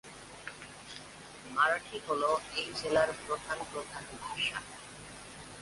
মারাঠি হ'ল এই জেলার প্রধান প্রধান ভাষা।